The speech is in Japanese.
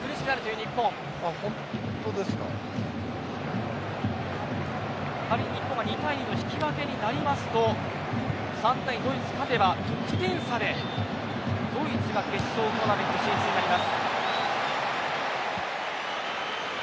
日本が２対２の引き分けになりますと３点ドイツ勝てば、得点差でドイツが決勝トーナメント進出になります。